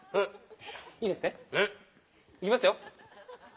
いきますよ。